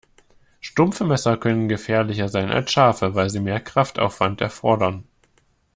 Stumpfe Messer können gefährlicher sein als scharfe, weil sie mehr Kraftaufwand erfordern.